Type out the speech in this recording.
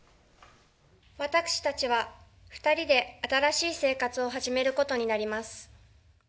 私たちは２人で新しい生活を始めることになります。